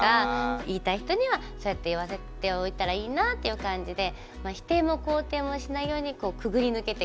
言いたい人にはそうやって言わせておいたらいいなっていう感じで否定も肯定もしないようにくぐり抜けてきた感じです。